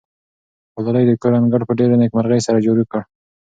ګلالۍ د کور انګړ په ډېرې نېکمرغۍ سره جارو کړ.